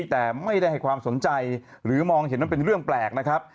แต่ไม่ได้ให้ความสนใจหรือมองเห็นมันเป็นเรื่องแปลกนะครับ